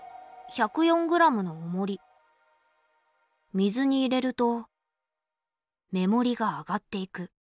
水に入れると目もりが上がっていく。